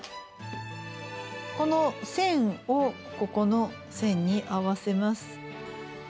この線をここの線に合わせます。